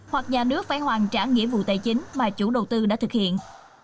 hoặc nhà nước phải hoàn trả nghĩa vụ tài chính mà chủ đầu tư đã thực hiện